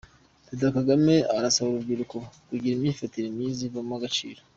Perezida Kagame arasaba urubyiruko kugira imyifatire myiza ivamo agaciro